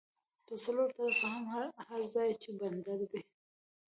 پر څلور طرفه هر ځای چې بندر دی